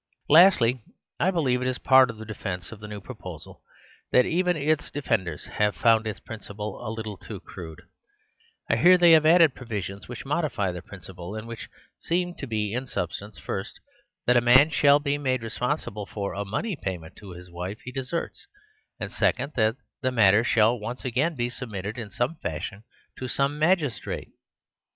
Lastly, I believe it is part of the defence of the new proposal that even its defenders have found its principle a little too crude. I hear they have added provisions which modify the principle ; and which seem to be in substance, first, that a man shall be made responsible for a money payment to the wife he deserts, and second, that the matter shall once again be submitted in some fashion to some magistrate.